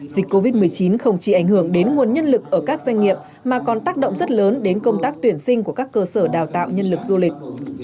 dịch covid một mươi chín không chỉ ảnh hưởng đến nguồn nhân lực ở các doanh nghiệp mà còn tác động rất lớn đến công tác tuyển sinh của các cơ sở đào tạo nhân lực du lịch